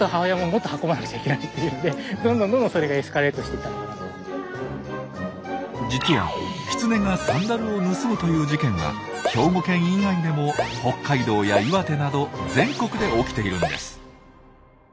でも食べ物と間違えたにしても実はキツネがサンダルを盗むという事件は兵庫県以外でも北海道や岩手など全国で起きているんです。